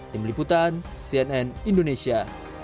tim liputan cnn indonesia